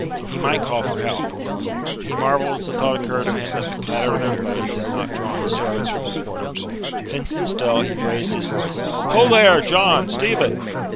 He might call for help. He marvelled as the thought occurred to him that the clatter of their blades had not drawn his servants from their quarters. Fencing still, he raised his voice: "Ho, there! John, Stephen!"